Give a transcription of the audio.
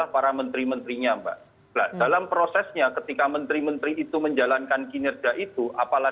berkepentingan begitu ya